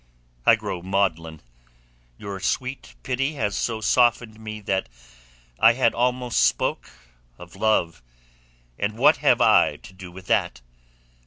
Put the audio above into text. "I grow maudlin. Your sweet pity has so softened me that I had almost spoke of love; and what have I to do with that?